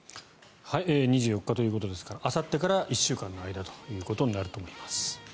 ２４日ということですからあさってから１週間の間ということになると思います。